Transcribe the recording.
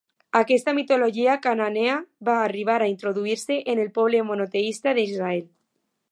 Aquesta mitologia cananea va arribar a introduir-se en el poble monoteista d'Israel.